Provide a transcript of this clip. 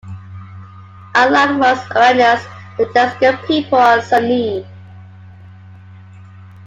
Unlike most Iranians, the Dezgan people are Sunni.